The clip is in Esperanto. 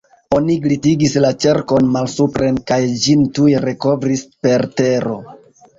Oni glitigis la ĉerkon malsupren kaj ĝin tuj rekovris per tero.